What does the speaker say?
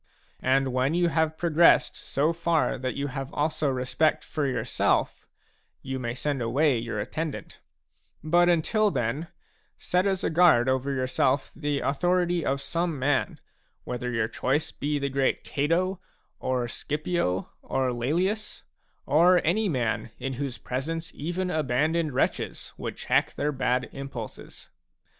And when you have progressed so far that you have also respect for yourself, you may send away your attendant ; but until then, set as a guard over yourself the authority of some man, whether your choice be the great Cato, orScipio, or Laelius, — or any man in whose presence even abandoned wretches would check their bad impulses.